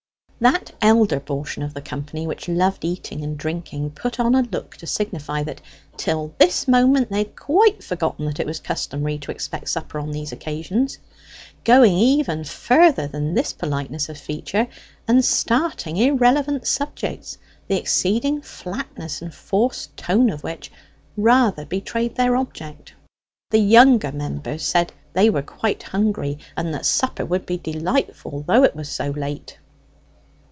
That elder portion of the company which loved eating and drinking put on a look to signify that till this moment they had quite forgotten that it was customary to expect suppers on these occasions; going even further than this politeness of feature, and starting irrelevant subjects, the exceeding flatness and forced tone of which rather betrayed their object. The younger members said they were quite hungry, and that supper would be delightful though it was so late.